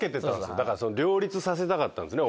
両立させたかったんですね